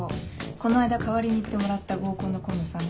この間代わりに行ってもらった合コンの紺野さん